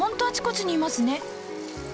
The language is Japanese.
あちこちにいますね。